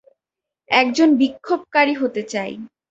একজন বিক্ষোভকারী হতে চাই।